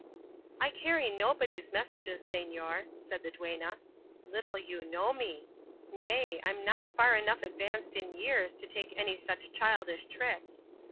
"I carry nobody's messages, señor," said the duenna; "little you know me. Nay, I'm not far enough advanced in years to take to any such childish tricks.